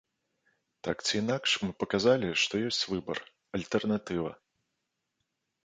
Так ці інакш мы паказалі, што ёсць выбар, альтэрнатыва.